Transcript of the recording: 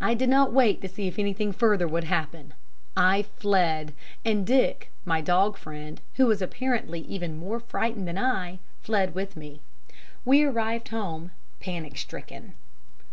I did not wait to see if anything further would happen. I fled, and Dick, my dog friend, who was apparently even more frightened than I, fled with me. We arrived home panic stricken.